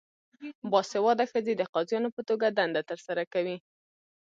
باسواده ښځې د قاضیانو په توګه دنده ترسره کوي.